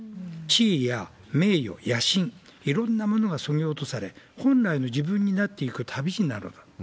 地位や名誉、野心、いろんなものがそぎ落とされ、本来の自分になっていく旅路になると。